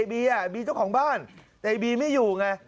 บีบีเจ้าของบ้านแต่ไอบีไม่อยู่ไง